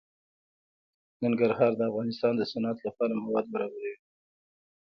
ننګرهار د افغانستان د صنعت لپاره مواد برابروي.